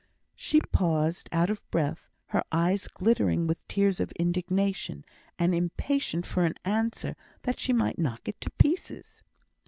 She paused, out of breath, her eyes glittering with tears of indignation, and impatient for an answer, that she might knock it to pieces.